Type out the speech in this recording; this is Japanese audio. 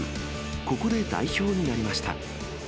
ここで代表になりました。